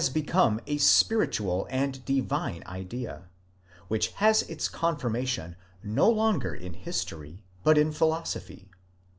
251 become a spiritual and divine idea, which has its confirmation no longer im history but in philosophy.